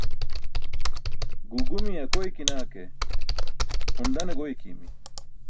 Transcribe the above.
Guu gumiye akoykina ke hun dane goykimi